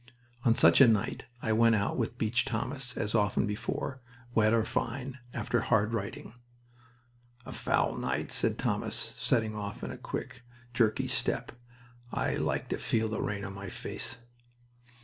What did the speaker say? On such a night I went out with Beach Thomas, as often before, wet or fine, after hard writing. "A foul night," said Thomas, setting off in his quick, jerky step. "I like to feel the rain on my face."